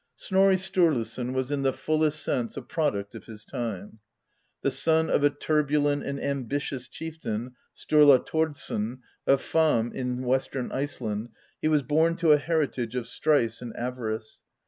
Snorri Sturluson was in the fullest sense a product of his time. The son of a turbulent and ambitious chieftain, Sturla Thordsson, of Hvamm in western Iceland, he was born to a heritage of strife and avarice.